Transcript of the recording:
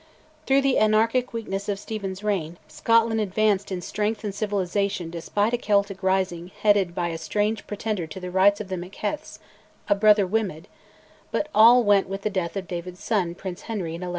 Through the anarchic weakness of Stephen's reign, Scotland advanced in strength and civilisation despite a Celtic rising headed by a strange pretender to the rights of the MacHeths, a "brother Wimund"; but all went with the death of David's son, Prince Henry, in 1152.